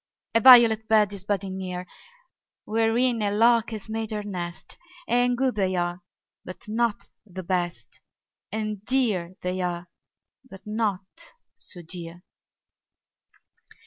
A violet bed is budding near, Wherein a lark has made her nest: And good they are, but not the best; And dear they are, but not so dear.